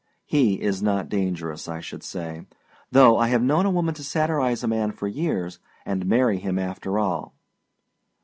He is not dangerous, I should say; though I have known a woman to satirize a man for years, and marry him after all.